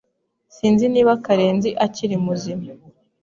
Sinzi niba Karenzi akiri muzima.